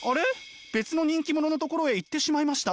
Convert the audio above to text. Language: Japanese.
別の人気者のところへ行ってしまいました。